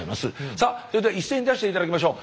さあそれでは一斉に出して頂きましょう。